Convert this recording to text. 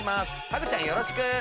ハグちゃんよろしく！